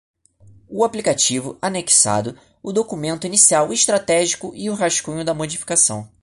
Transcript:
O aplicativo, anexado, o Documento Inicial Estratégico e o rascunho da Modificação.